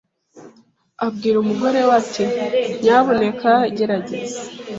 abwira umugore we ati Nyabuneka gerageza